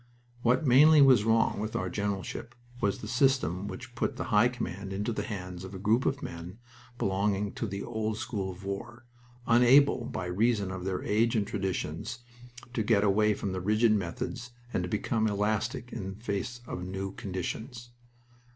What mainly was wrong with our generalship was the system which put the High Command into the hands of a group of men belonging to the old school of war, unable, by reason of their age and traditions, to get away from rigid methods and to become elastic in face of new conditions.